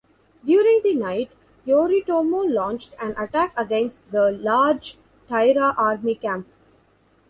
During the night, Yoritomo launched an attack against the large Taira army camp.